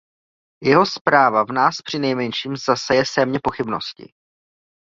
Jeho zpráva v nás přinejmeším zaseje sémě pochybností.